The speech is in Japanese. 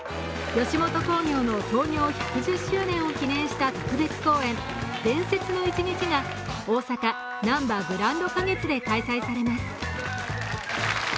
吉本興業の創業１１０周年を記念した特別公演、「伝説の一日」が大阪なんばグランド花月で開催されます。